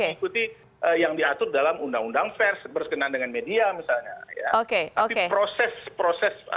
tetap mengikuti yang diatur dalam undang undang vers berkenaan dengan media misalnya oke oke oke oke oke movements khusus agung funcionnat jahat